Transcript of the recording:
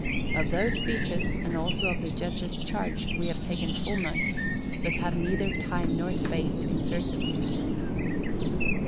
Of those speeches, and also of the judge's charge, we have taken full notes, but have neither time nor space to insert them here.